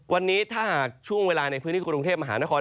วันนี้ถ้าหากช่วงเวลาในพื้นที่กรุงเทพมหานคร